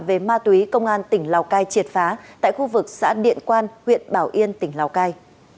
về ma túy công an tỉnh lào cai triệt phá tại khu vực xã điện quan huyện bảo yên tỉnh lào cai